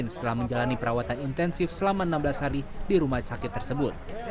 setelah menjalani perawatan intensif selama enam belas hari di rumah sakit tersebut